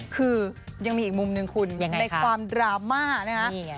คือยังมีอีกมุมหนึ่งคุณในความดราม่านะคะ